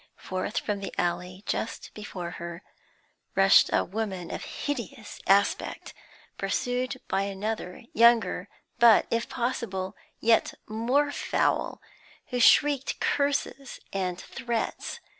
Forth from the alley, just before her, rushed a woman of hideous aspect, pursued by another, younger, but, if possible, yet more foul, who shrieked curses and threats.